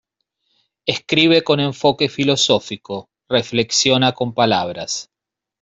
Escribe con enfoque filosófico, reflexiona con palabras.